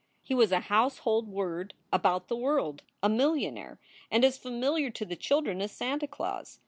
He was a household word about the world, a millionaire, and as familiar to the children as Santa Claus.